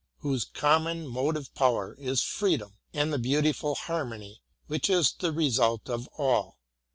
whose common motive power is freedom; and the beautiful harmony which is the result of all.